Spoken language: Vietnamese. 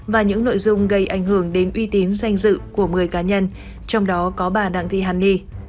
và những nội dung gây ảnh hưởng đến uy tín danh dự của người cá nhân trong đó có bà đặng thị hàn đi